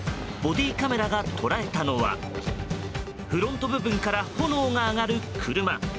ボディーカメラが捉えたのはフロント部分から炎が上がる車。